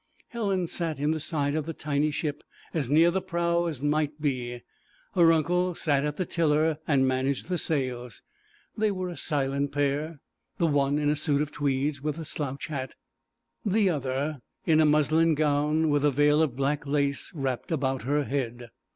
Helen sat in the side of the tiny ship as near the prow as might be; her uncle sat at the tiller and managed the sails. They were a silent pair, the one in a suit of tweeds with a slouch hat, the other in a muslin gown with a veil of black lace wrapped about her head.